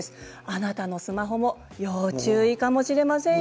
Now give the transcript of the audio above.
あなたのスマホも要注意かもしれません。